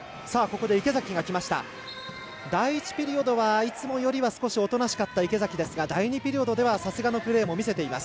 第１ピリオドはいつもよりはおとなしかった池崎ですが第２ピリオドではさすがのプレーも見せています。